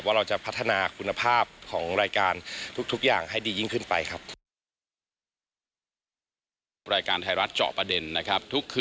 เราจะพัฒนาคุณภาพของรายการทุกอย่างให้ดียิ่งขึ้นไปครับ